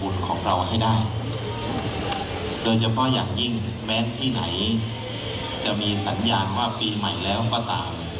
ตอนนี้จะมีสัญญาณว่าปีใหม่แล้วก็ตาม